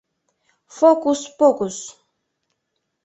— Фокус-покус!